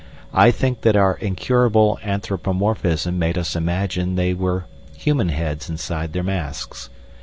I think that our incurable anthropomorphism made us imagine there were human heads inside their masks.